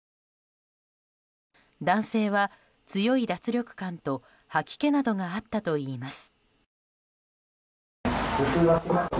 男性は強い脱力感と吐き気などがあったといいます。